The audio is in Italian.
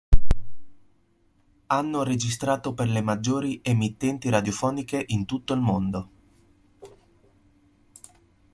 Hanno registrato per le maggiori emittenti radiofoniche in tutto il mondo.